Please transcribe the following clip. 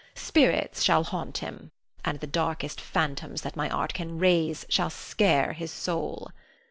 Spirits shall haunt him, and the darkest phantoms that my art can raise shall scare his soul.